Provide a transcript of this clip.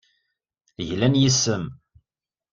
Glan yes-m.